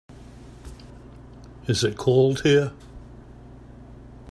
Is it cold here?